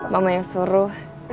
mama yang suruh